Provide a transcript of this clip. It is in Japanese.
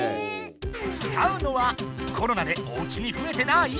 使うのはコロナでおうちに増えてない？